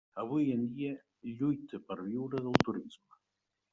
Avui en dia lluita per viure del turisme.